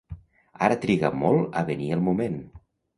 Ara triga molt a venir el moment.